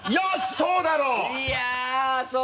そうだろう！